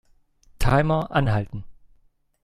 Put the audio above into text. Timer anhalten.